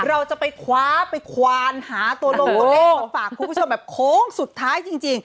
เราจะไปคว้าไปควานหาตัวลงตัวเลขมาฝากคุณผู้ชมแบบโค้งสุดท้ายจริง